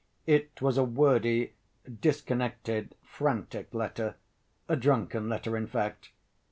It was a wordy, disconnected, frantic letter, a drunken letter in fact.